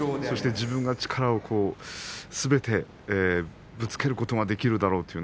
そして、自分が力をすべてぶつけることができるだろう。